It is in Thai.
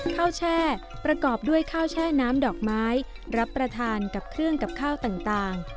แช่ประกอบด้วยข้าวแช่น้ำดอกไม้รับประทานกับเครื่องกับข้าวต่าง